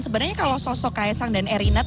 sebenarnya kalau sosok kaisang dan erina